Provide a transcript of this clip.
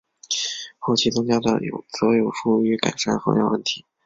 后期增加的则有助于改善横摇问题。